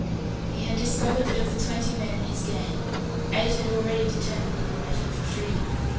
He had discovered that of the twenty men in his gang eight had already determined on an effort for freedom.